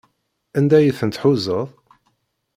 Anda ay ten-tḥuzaḍ?